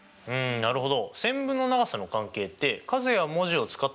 なるほど。